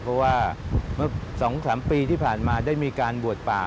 เพราะว่าเมื่อ๒๓ปีที่ผ่านมาได้มีการบวชป่า